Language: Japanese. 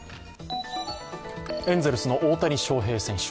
エンゼルスの大谷翔平選手。